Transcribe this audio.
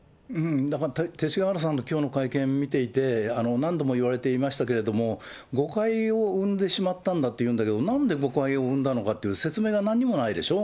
だから、勅使河原さんのきょうの会見見ていて、何度も言われていましたけれども、誤解を生んでしまったんだっていうんだけど、なんで誤解を生んだのかっていう説明が何もないでしょ。